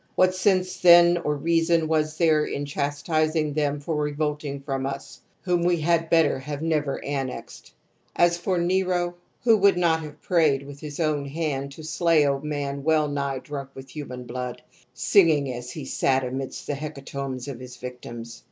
What sense then or reason was there in chastising them for revolting from us, whom we had better have never annexed? As for _ Nero, who would not have prayed with his own hand to slay a man well nigh drunk with human blood, singing as he sat amidst the hecatombs of his victims